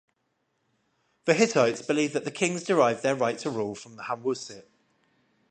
The Hittites believed that the kings derived their right to rule from Hanwasuit.